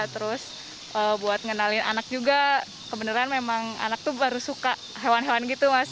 terus buat ngenalin anak juga kebenaran memang anak tuh baru suka hewan hewan gitu mas